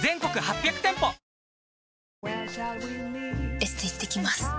エステ行ってきます。